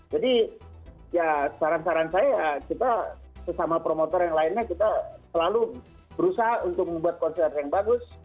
jadi ya saran saran saya kita sesama promotor yang lainnya kita selalu berusaha untuk membuat konser yang bagus